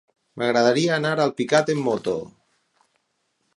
M'agradaria anar a Alpicat amb moto.